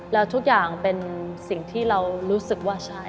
แล้วทุกอย่างเป็นสิ่งที่เรารู้สึกว่าใช่